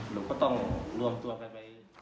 หรือก็ต้องรวมตัวไป